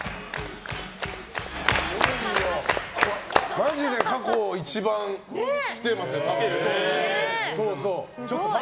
マジで過去一番、来てますよ。